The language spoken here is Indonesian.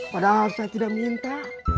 padahal saya tidak minta